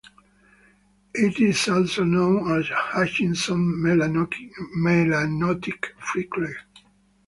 It is also known as "Hutchinson's melanotic freckle".